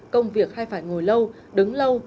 công việc hay phải ngồi lâu đứng lâu